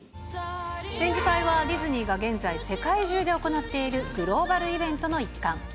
展示会はディズニーが現在、世界中で行っているグローバルイベントの一環。